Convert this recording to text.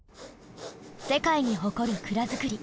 世界に誇る鞍作り。